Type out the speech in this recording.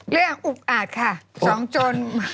เรื่องอุกอาจค่ะสองจน